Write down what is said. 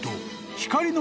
［光の］